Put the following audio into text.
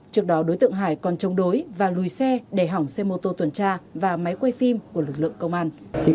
trước đó đối tượng hải còn chống đối và lùi xe để hỏng xe mô tô tuần tra và máy quay phim của lực lượng công an